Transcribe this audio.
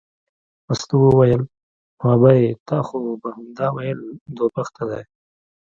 مستو وویل نو ابۍ تا خو به همدا ویل دوه بخته دی.